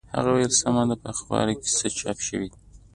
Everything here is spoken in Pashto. هغه وویل سمه ده په اخبارو کې څه چاپ شوي دي.